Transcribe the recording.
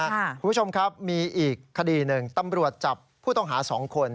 คุณผู้ชมครับมีอีกคดีหนึ่งตำรวจจับผู้ต้องหา๒คน